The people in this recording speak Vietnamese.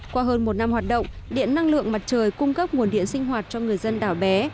qua hơn một năm hoạt động điện năng lượng mặt trời cung cấp nguồn điện sinh hoạt cho người dân đảo bé